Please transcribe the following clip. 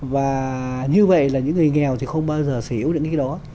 và như vậy là những người nghèo thì không bao giờ sở hữu được những cái đó